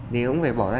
thì cũng phải bỏ ra